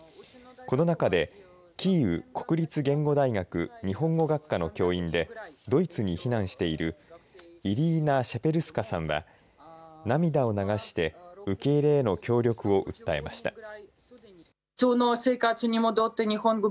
この中でキーウ国立言語大学日本語学科の教員でドイツに避難しているイリーナ・シェペルスカさんは涙を流して受け入れへの協力を訴えました。